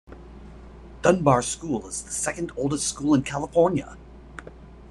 Dunbar school is the second oldest school in California.